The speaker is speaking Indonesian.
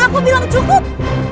aku bilang cukup